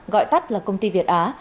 gọi tắt là công ty việt á